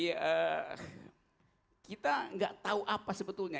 jadi kita nggak tahu apa sebetulnya